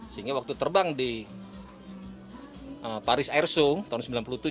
sehingga waktu terbang di paris airsong tahun seribu sembilan ratus sembilan puluh tujuh